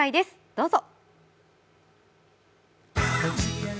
どうぞ。